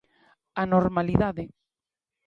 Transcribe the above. A normalidade.